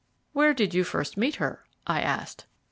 "Where did you first meet her?" I asked.